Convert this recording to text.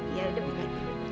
iya udah pergi